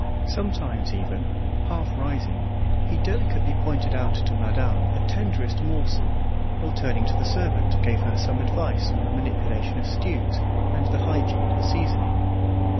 Sometimes even, half rising, he delicately pointed out to madame the tenderest morsel, or turning to the servant, gave her some advice on the manipulation of stews and the hygiene of seasoning.